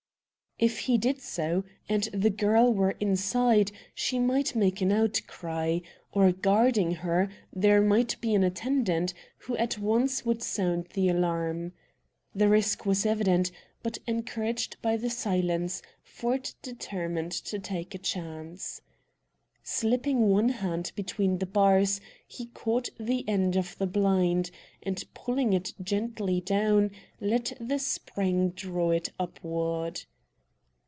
If he did so, and the girl were inside, she might make an outcry, or, guarding her, there might be an attendant, who at once would sound the alarm. The risk was evident, but, encouraged by the silence, Ford determined to take the chance. Slipping one hand between the bars he caught the end of the blind, and, pulling it gently down, let the spring draw it upward.